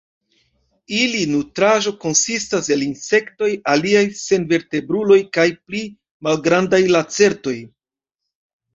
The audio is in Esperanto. Ili nutraĵo konsistas el insektoj, aliaj senvertebruloj kaj pli malgrandaj lacertoj.